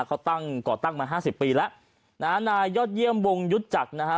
เขาตั้งก่อตั้งมาห้าสิบปีแล้วนะฮะนายยอดเยี่ยมวงยุทธจักรนะฮะ